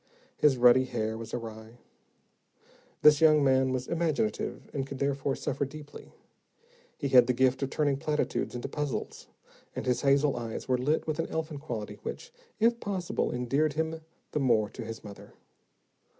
His ruddy hair was awry. This young man was imaginative and could therefore suffer deeply. He had the gift of turning platitudes into puzzles, and his hazel eyes were lit with an elfin quality, which, if possible, endeared him the more to his mother.